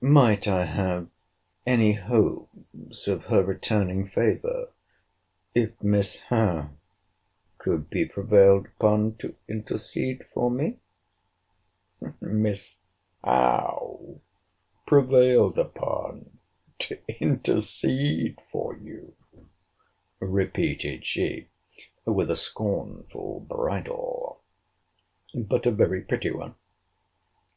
—Might I have any hopes of her returning favour, if Miss Howe could be prevailed upon to intercede for me? Miss Howe prevailed upon to intercede for you! repeated she, with a scornful bridle, but a very pretty one.